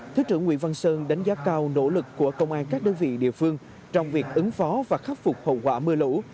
thứ trưởng nguyễn văn sơn đánh giá cao nỗ lực của công an các đơn vị địa phương trong việc ứng phó và khắc phục hậu quả mưa lũ